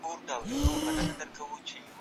کله زيات او کله کم درپسې ژاړم